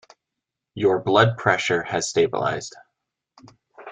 Your blood pressure has stabilized.